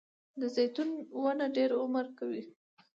د زیتون ونه ډیر عمر کوي